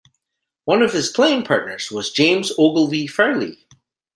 One of his playing partners was James Ogilvie Fairlie.